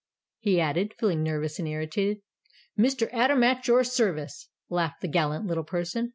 he added, feeling nervous and irritated. "Mr. Atom, at your service!" laughed the gallant little person.